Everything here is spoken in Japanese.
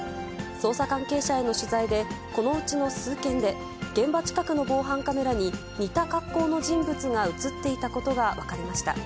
捜査関係者への取材で、このうちの数件で、現場近くの防犯カメラに似た格好の人物が写っていたことが分かりました。